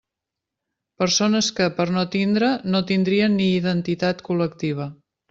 Persones que, per no tindre no tindrien ni identitat col·lectiva.